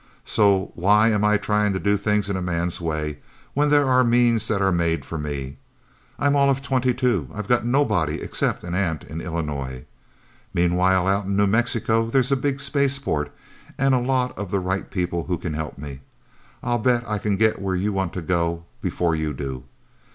So why am I trying to do things in a man's way, when there are means that are made for me? I'm all of twenty two. I've got nobody except an aunt in Illinois. Meanwhile, out in New Mexico, there's a big spaceport, and a lot of the right people who can help me. I'll bet I can get where you want to go, before you do.